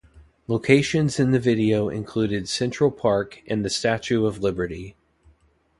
Locations in the video included Central Park and the Statue of Liberty.